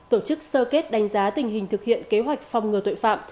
tổ chức sơ kết đánh giá tình hình thực hiện kế hoạch phòng ngừa tội phạm